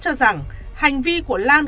cho rằng hành vi của lan